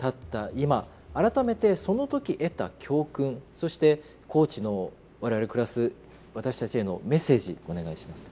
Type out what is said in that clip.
今改めてその時得た教訓そして高知の我々暮らす私たちへのメッセージお願いします。